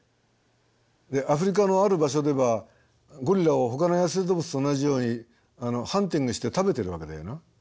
アフリカのある場所ではゴリラをほかの野生動物と同じようにハンティングして食べてるわけだよな。